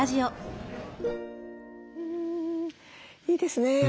いいですね。